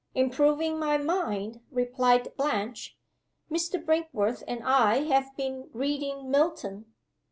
"Improving my mind," replied Blanche. "Mr. Brinkworth and I have been reading Milton."